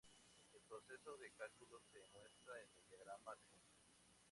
El proceso de cálculo se muestra en el diagrama adjunto.